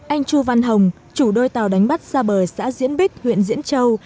anh chu văn hồng chủ đôi tàu đánh bắt ra bờ xã diễn bích huyện diễn châu